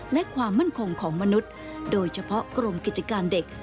และความมั่นคงของมนุษย์โดยเฉพาะกรมกิจการเด็ก